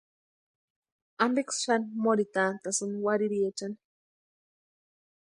¿Ampeksï xani morhitantasïni warhiriechani?